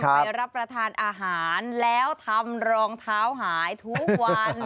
ไปรับประทานอาหารแล้วทำรองเท้าหายทุกวัน